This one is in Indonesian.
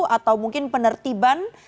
atau mungkin penertiban atau apa